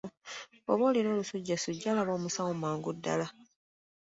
Bw’oba olina olusujjasujja, laba omusawo amangu ddala.